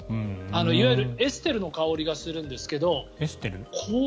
いわゆるエステルの香りがするんですけど。